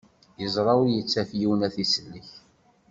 Yeẓra ur yettaf yiwen ad t-isellek.